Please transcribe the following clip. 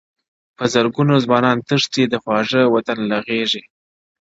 په زرګونو ځوانان تښتي؛ د خواږه وطن له غېږي,